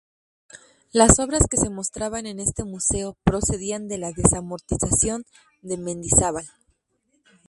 Las obras que se mostraban en este museo procedían de la desamortización de Mendizábal.